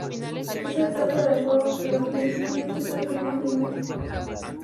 Es la etapa del juego que los principiantes aprenden primero.